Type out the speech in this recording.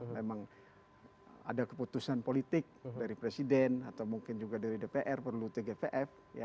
memang ada keputusan politik dari presiden atau mungkin juga dari dpr perlu tgpf